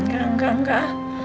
enggak enggak enggak